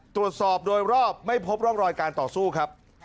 ตรวจสอบโดยรอบไม่พบร่องรอยการต่อสู้ครับ